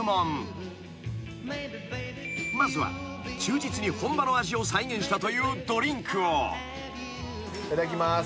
［まずは忠実に本場の味を再現したというドリンクを］いただきます。